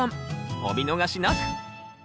お見逃しなく！